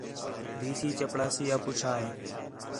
ڈی سی چپڑاسی آ پُچھا ہے